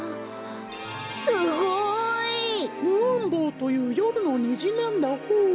すごい！ムーンボウというよるのにじなんだホー。